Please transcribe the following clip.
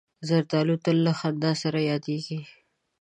زردالو تل له خندا سره یادیږي.